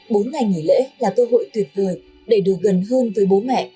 bốn ngày nghỉ lễ là cơ hội tuyệt vời để được gần hơn với bố mẹ